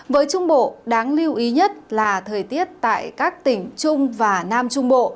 với trung bộ đáng lưu ý nhất là thời tiết tại các tỉnh trung và nam trung bộ